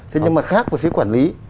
thế nhưng mà khác với phía quản lý